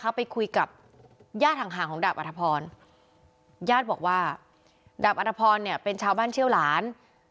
ไปคุยกับญาติห่างของดาบอัธพรญาติบอกว่าดาบอัตภพรเนี่ยเป็นชาวบ้านเชี่ยวหลาน